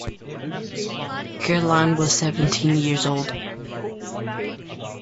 Caroline was seventeen years old.